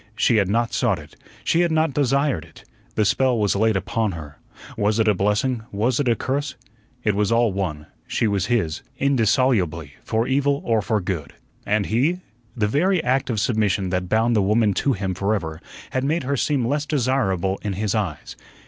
She had not sought it, she had not desired it. The spell was laid upon her. Was it a blessing? Was it a curse? It was all one; she was his, indissolubly, for evil or for good. And he? The very act of submission that bound the woman to him forever had made her seem less desirable in his eyes.